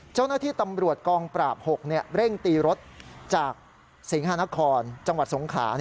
เจ้าหน้าที่ตำรวจกองปราบ๖เร่งตีรถจากสิงหานครจังหวัดสงขลา